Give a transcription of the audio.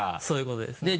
そういうことです。